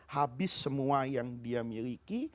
habis semua yang dia miliki